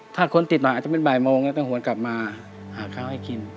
ถ้าคนติดหน่อยอาจจะเป็นบ่ายโมงแล้วต้องหวนกลับมาหาข้าวให้กิน